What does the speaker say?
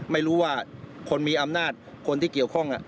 ไม่รู้ว่าคนมีอำนาจคนที่เกี่ยวข้อง